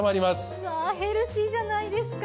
うわヘルシーじゃないですか。